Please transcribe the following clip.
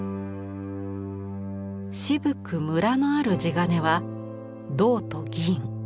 渋くむらのある地金は銅と銀